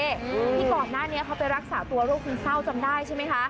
ที่ก่อนหน้านี้เขาไปรักษาตัวโรคซึมเศร้าจำได้ใช่ไหมคะ